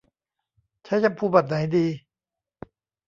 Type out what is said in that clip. ใช้แชมพูแบบไหนดี